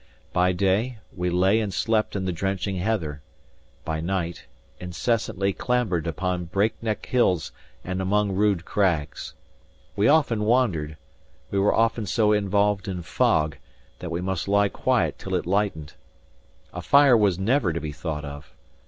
By day, we lay and slept in the drenching heather; by night, incessantly clambered upon break neck hills and among rude crags. We often wandered; we were often so involved in fog, that we must lie quiet till it lightened. A fire was never to be thought of.